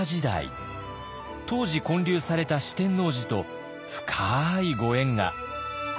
当時建立された四天王寺と深いご縁が。